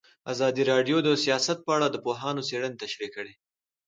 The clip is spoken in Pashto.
ازادي راډیو د سیاست په اړه د پوهانو څېړنې تشریح کړې.